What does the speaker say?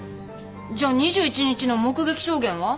じゃあ２１日の目撃証言は？